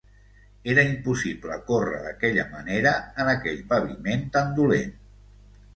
Era impossible córrer d'aquella manera en aquell paviment tan dolent!